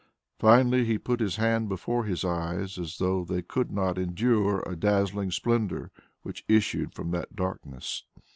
Finally he put his hand before his eyes as though they could not endure a dazzling splendour which issued from that darkness.